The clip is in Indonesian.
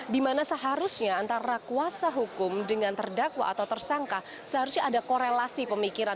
dimana seharusnya antara kuasa hukum dengan terdakwa atau tersangka seharusnya ada korelasi pemikiran